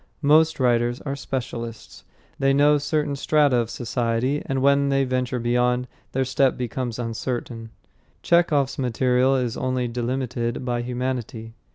Most writers are specialists. They know certain strata of society, and when they venture beyond, their step becomes uncertain. Chekhov's material is only delimited by humanity.